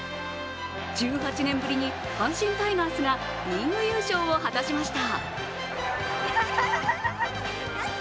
１８年ぶりに阪神タイガースがリーグ優勝を果たしました。